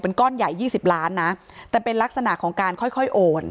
ก้อนใหญ่๒๐ล้านนะแต่เป็นลักษณะของการค่อยโอน